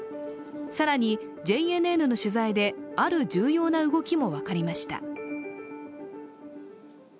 更に、ＪＮＮの取材である重要な動きも分かりました。